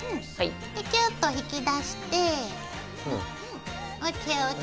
でキュッと引き出してＯＫＯＫ！